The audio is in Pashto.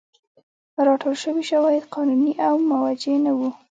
راټول شوي شواهد قانوني او موجه نه وو.